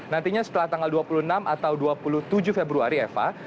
nantinya setelah tanggal dua puluh enam atau dua puluh tujuh februari eva